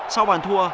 sau bàn thua